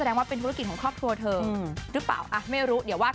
อันนี้เป็นธุรกิจของครอบครัวอยู่แล้ว